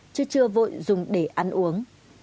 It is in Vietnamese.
chứ chưa vội dùng để ăn uống